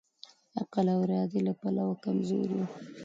عقل او ارادې له پلوه کمزوری وو.